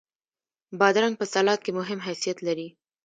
بادرنګ په سلاد کې مهم حیثیت لري.